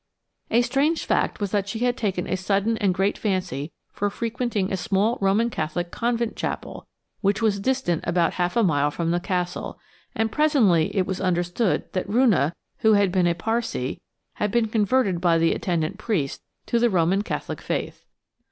A strange fact was that she had taken a sudden and great fancy for frequenting a small Roman Catholic convent chapel which was distant about half a mile from the Castle, and presently it was understood that Roonah, who had been a Parsee, had been converted by the attendant priest to the Roman Catholic faith.